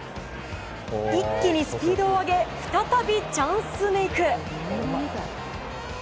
一気にスピードを上げ再びチャンスメイク。